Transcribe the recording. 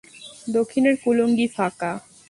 দক্ষিণের কুলুঙ্গি ফাঁকা।